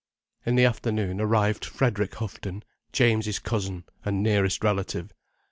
In the afternoon arrived Frederick Houghton, James's cousin and nearest relative.